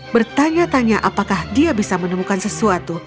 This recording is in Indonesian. bertanya tanya apakah dia bisa menemukan sesuatu